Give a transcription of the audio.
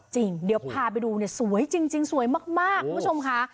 เดี๋ยวพาไปดูเนี่ยสวยจริงสวยมากคุณผู้ชมค่ะ